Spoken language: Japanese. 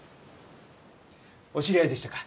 お知り合いでしたか。